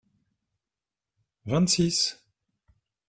vingt six.